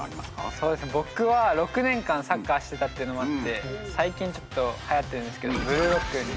僕は６年間サッカーしてたっていうのもあって最近ちょっとはやってるんですけど「ブルーロック」に。